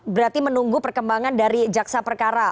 berarti menunggu perkembangan dari jaksa perkara